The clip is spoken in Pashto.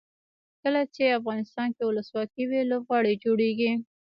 کله چې افغانستان کې ولسواکي وي لوبغالي جوړیږي.